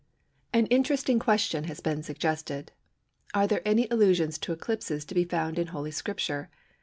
An interesting question has been suggested: Are there any allusions to eclipses to be found in Holy Scripture?